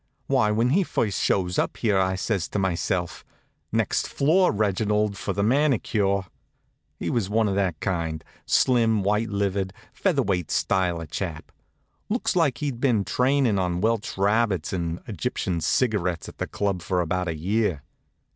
Why, when he first shows up here I says to myself: "Next floor, Reginald, for the manicure." He was one of that kind: slim, white livered, feather weight style of chap looked like he'd been trainin' on Welch rabbits and Egyptian cigarettes at the club for about a year.